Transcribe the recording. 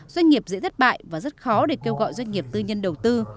doanh nghiệp dễ thất bại và rất khó để kêu gọi doanh nghiệp tư nhân đầu tư